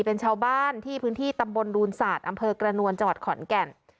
เป็นชาวบ้านที่พื้นที่ตำบลดูนศาสตร์อำเภอกระนวลจังหวัดขอนแก่น